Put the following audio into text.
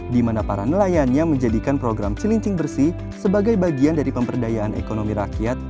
di mana para nelayannya menjadikan program cilincing bersih sebagai bagian dari pemberdayaan ekonomi rakyat